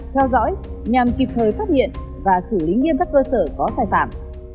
theo dõi nhằm kịp thời phát hiện và xử lý nghiêm các cơ sở có sai phạm